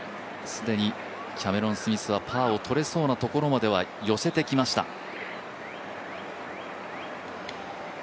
既にキャメロン・スミスはパーを取れそうなところまでは寄せてきました。